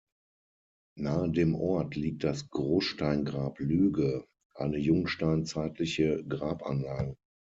Nahe dem Ort liegt das Großsteingrab Lüge, eine jungsteinzeitliche Grabanlage.